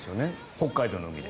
北海道の海で。